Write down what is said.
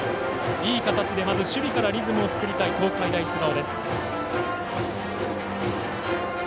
いい形で守備からリズムを作りたい東海大菅生。